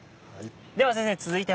では先生続いては？